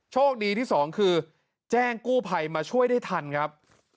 โชคดีที่สองคือแจ้งกู้ภัยมาช่วยได้ทันครับ